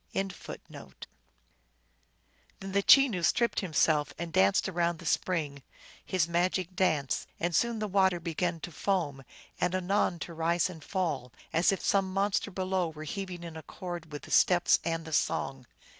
THE CHENOO LEGENDS. 237 Then the Chenoo stripped himself, and danced around the spring his magic dance ; and soon the water began to foam, and anon to rise and fall, as if some monster below were heaving in accord with the steps and the song.